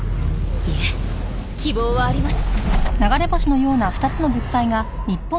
いえ希望はあります。